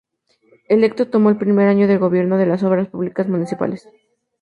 Electo tomó el primer año de gobierno de las Obras Públicas Municipales.